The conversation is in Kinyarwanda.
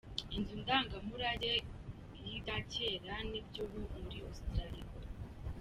Inzu ndangamurage y'ibya kera ni by'ubu yo muri Australia.